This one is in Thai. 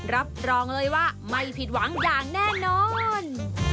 รับรองเลยว่าไม่ผิดหวังอย่างแน่นอน